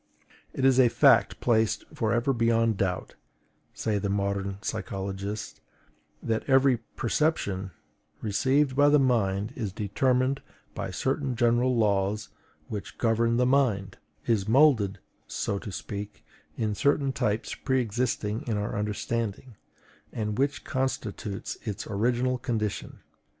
It is a fact placed for ever beyond doubt, say the modern psychologists, that every perception received by the mind is determined by certain general laws which govern the mind; is moulded, so to speak, in certain types pre existing in our understanding, and which constitutes its original condition.